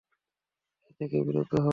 এ থেকে বিরত হও।